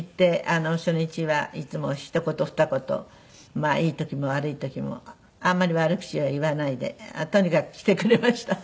初日はいつもひと言ふた言いい時も悪い時もあんまり悪口は言わないでとにかく来てくれました。